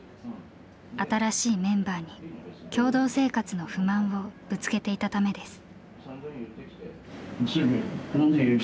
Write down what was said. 新しいメンバーに共同生活の不満をぶつけていたためです。